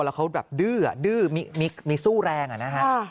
แล้วเขาแบบดื้อมีสู้แรงนะฮะ